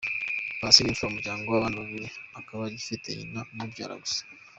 Paccy ni imfura mu muryango w’abana babiri, akaba agifite nyina umubyara gusa.